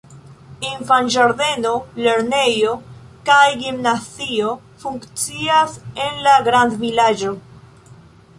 Infanĝardeno, lernejo kaj gimnazio funkcias en la grandvilaĝo.